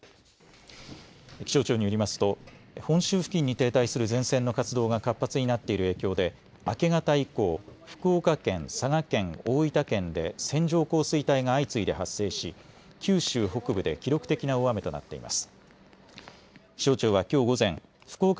気象庁によりますと本州付近に停滞する前線の活動が活発になっている影響で明け方以降福岡県、佐賀県、大分県で線状降水帯が相次いで発生し九州北部で記録的な大雨となっています。